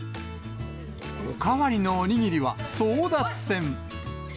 お代わりのお握りは争奪戦。